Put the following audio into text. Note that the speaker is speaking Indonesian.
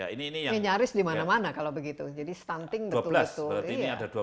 ini nyaris di mana mana kalau begitu jadi stunting betul betul